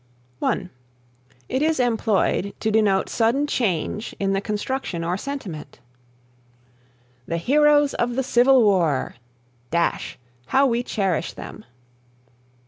(1) It is employed to denote sudden change in the construction or sentiment: "The Heroes of the Civil War, how we cherish them."